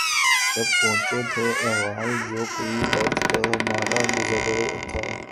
سب پوچھیں تھے احوال جو کوئی درد کا مارا گزرے تھا